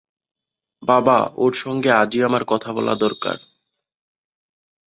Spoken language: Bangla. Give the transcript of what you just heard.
বাবা, ওঁর সঙ্গে আজই আমার কথা বলা দরকার।